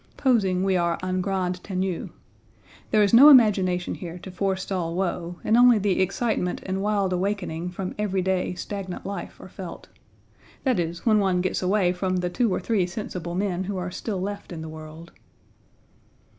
Posing we are en grande tenue. There is no imagination here to forestall woe, and only the excitement and wild awakening from every day stagnant life are felt. That is, when one gets away from the two or three sensible men who are still left in the world.